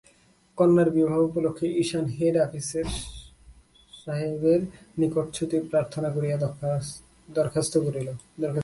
কন্যার বিবাহ উপলক্ষে ঈশান হেড আপিসের সাহেবের নিকট ছুটি প্রার্থনা করিয়া দরখাস্ত দিল।